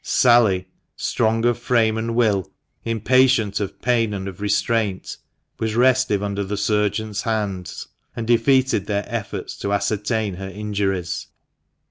Sally, strong of frame and will, impatient of pain and of restraint, was restive under the surgeons' 54 THE MANCHESTER MAN. hands, and defeated their efforts to ascertain her injuries.